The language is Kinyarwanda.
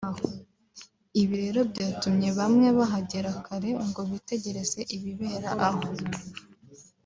ibi rero byatumye bamwe bahagera kare ngo bitegereze ibibera aho